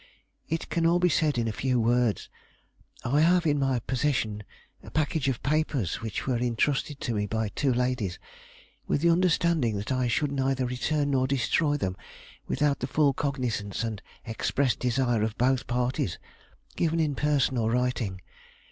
"It can all be said in a few words. I have in my possession a package of papers which were intrusted to me by two ladies, with the understanding that I should neither return nor destroy them without the full cognizance and expressed desire of both parties, given in person or writing.